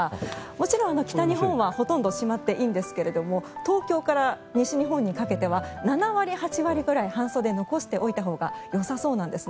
もちろん、北日本はほとんどしまっていいんですが東京から西日本は７割から８割半袖を残しておいたほうがいいんです。